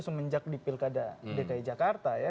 semenjak di pilkada dki jakarta ya